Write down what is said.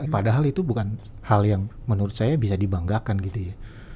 padahal itu bukan hal yang menurut saya bisa dibanggakan gitu ya